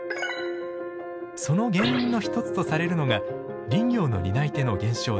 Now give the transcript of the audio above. その原因の一つとされるのが林業の担い手の減少です。